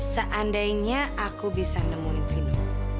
seandainya aku bisa nemuin vino